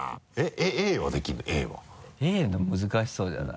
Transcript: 「Ａ」でも難しそうじゃない？